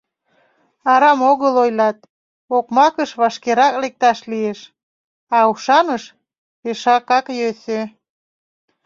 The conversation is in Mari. Арам огыл ойлат: окмакыш вашкерак лекташ лиеш, а ушаныш — пешакак йӧсӧ.